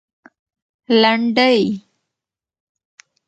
لنډۍ